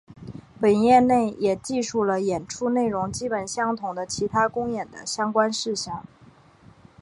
本页内也记述了演出内容基本相同的其他公演的相关事项。